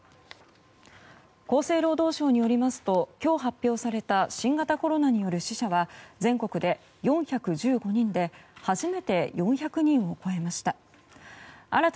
厚生労働省によりますと今日、発表された新型コロナによる死者は全国で４１５人で初めて４００人を超えました。